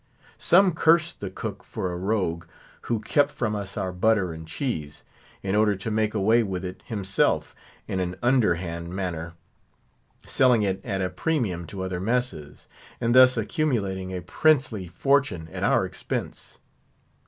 Some cursed the cook for a rogue, who kept from us our butter and cheese, in order to make away with it himself in an underhand manner; selling it at a premium to other messes, and thus accumulating a princely fortune at our expense.